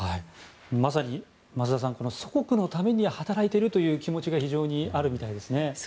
まさに増田さん祖国のために働いているという気持ちが非常にあるみたいですね。